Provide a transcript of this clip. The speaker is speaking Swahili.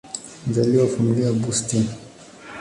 Mzaliwa wa Familia ya Bustill.